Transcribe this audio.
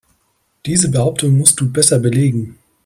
Diese Behauptung musst du besser belegen.